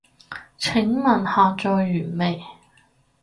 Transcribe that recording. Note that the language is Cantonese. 請問下載完未？